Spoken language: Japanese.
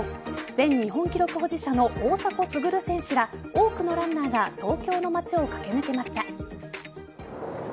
前日本記録保持者の大迫傑選手ら多くのランナーが東京の街を駆け抜けました。